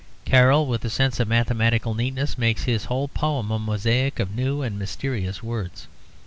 Carroll, with a sense of mathematical neatness, makes his whole poem a mosaic of new and mysterious words.